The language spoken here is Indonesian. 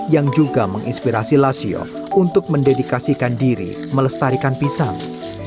yang juga menginspirasi lasio untuk mendedikasikan diri melestarikan pisang